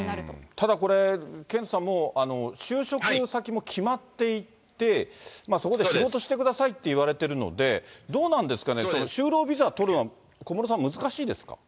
ただこれ、ケントさん、もう就職先も決まっていて、そこで仕事してくださいって言われるので、どうなんですかね、就労ビザ取るの、小室さん、難しいですか。